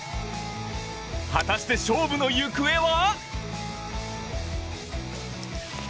果たして勝負の行方は？